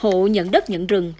hộ nhận đất nhận rừng